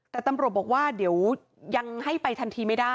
แต่ตำรวจบอกว่าเดี๋ยวยังให้ไปทันทีไม่ได้